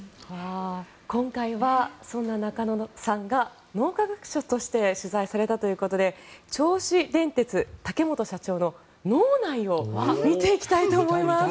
今回はそんな中野さんが脳科学者として取材されたということで銚子電鉄、竹本社長の脳内を見ていきたいと思います。